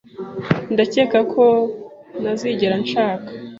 Ndakeka ko ntazigera nshaka.